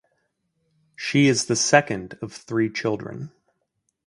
She is the second of three children.